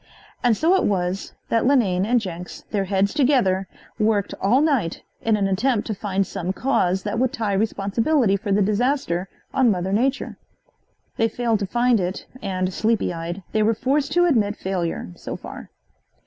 And so it was that Linane and Jenks, their heads together, worked all night in an attempt to find some cause that would tie responsibility for the disaster on mother nature. They failed to find it and, sleepy eyed, they were forced to admit failure, so far.